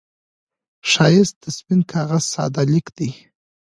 ښایست د سپين کاغذ ساده لیک دی